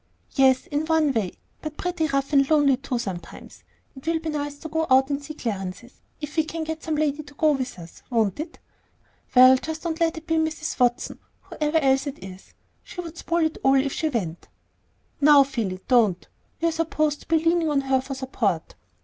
"Yes; in one way, but pretty rough and lonely too, sometimes. It will be nice to go out and see Clarence's, if we can get some lady to go with us, won't it?" "Well, just don't let it be Mrs. Watson, whoever else it is. She would spoil it all if she went." "Now, Philly, don't. We're supposed to be leaning on her for support."